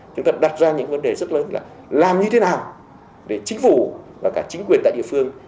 chúng ta đặt ra những vấn đề rất lớn là làm như thế nào để chính phủ và cả chính quyền tại địa phương